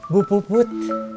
bu put put